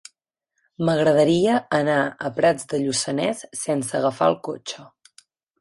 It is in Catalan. M'agradaria anar a Prats de Lluçanès sense agafar el cotxe.